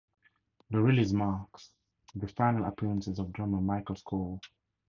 The release marks the final appearance of drummer Michael Schorr.